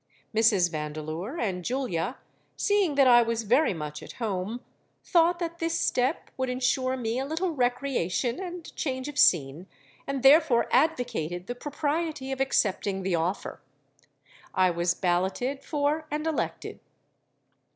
Mrs. Vandeleur and Julia, seeing that I was very much at home, thought that this step would ensure me a little recreation and change of scene, and therefore advocated the propriety of accepting the offer. I was balloted for and elected.